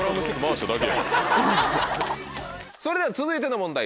それでは続いての問題